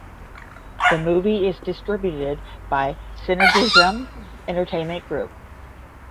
The movie is distributed by Cinedigm Entertainment Group.